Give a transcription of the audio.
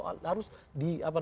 bukan hanya masalah soal perut